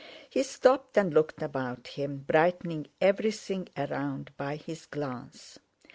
He stopped and looked about him, brightening everything around by his glance.